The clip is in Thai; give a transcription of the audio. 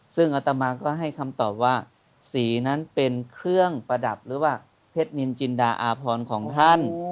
ซึ่งอัตมาก็ให้คำตอบว่าสีนั้นเป็นเครื่องประดับหรือว่าเพชรนินจินดาอาพรของท่าน